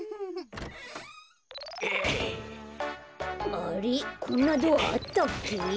あれっこんなドアあったっけ？